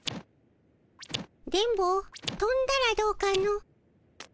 電ボ飛んだらどうかの？